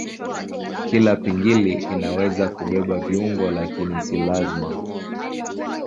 Kila pingili inaweza kubeba viungo lakini si lazima.